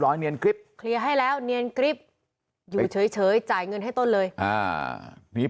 ร้อยเนียนคลิปให้แล้วเนียนคลิปอยู่เฉยจ่ายเงินให้ต้นเลยนี้